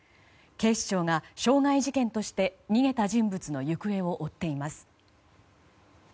警視庁が傷害事件として逃げた人物の行方を追っています。